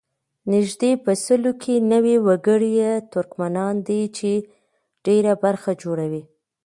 نږدې په سلو کې نوي وګړي یې ترکمنان دي چې ډېره برخه جوړوي.